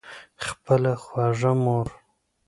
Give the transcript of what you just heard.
خپله خوږه مور